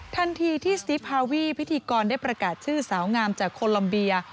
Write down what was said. ทันทีที่สติฟฮาวีพิธีกรได้ประกาศชื่อสาวงามจากโคลอมเบีย